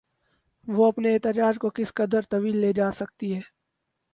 وہ اپنے احتجاج کو کس قدر طویل لے جا سکتی ہے؟